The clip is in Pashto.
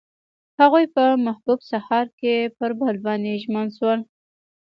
هغوی په محبوب سهار کې پر بل باندې ژمن شول.